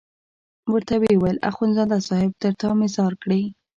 ورته ویې ویل اخندزاده صاحب تر تا مې ځار کړې.